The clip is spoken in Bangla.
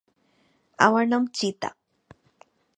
আমার নাম চিতা।